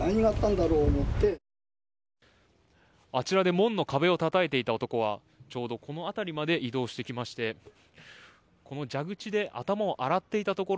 門の壁をたたいていた男はちょうどこの辺りまで移動してきまして蛇口で頭を洗っていたところ